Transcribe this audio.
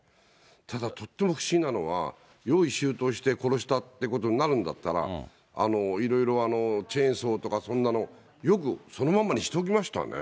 ただとっても不思議なのは、用意周到して殺したっていうことになるんだったら、いろいろチェーンソーとか、そんなの、よくそのまんまにしておきましたね。